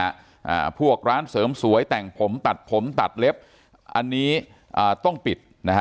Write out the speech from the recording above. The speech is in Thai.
อ่าพวกร้านเสริมสวยแต่งผมตัดผมตัดเล็บอันนี้อ่าต้องปิดนะฮะ